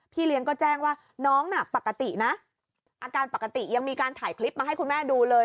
เลี้ยงก็แจ้งว่าน้องน่ะปกตินะอาการปกติยังมีการถ่ายคลิปมาให้คุณแม่ดูเลย